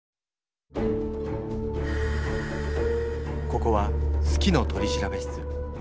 ここは「好きの取調室」。